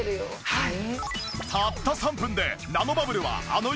はい。